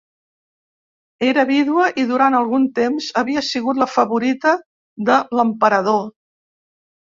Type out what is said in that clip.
Era vídua i durant algun temps havia sigut la favorita de l'emperador.